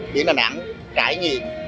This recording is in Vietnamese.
điện đà nẵng trải nghiệm